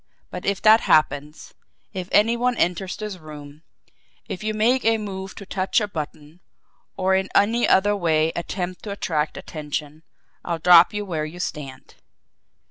But if that happens, if any one enters this room, if you make a move to touch a button, or in any other way attempt to attract attention, I'll drop you where you stand!"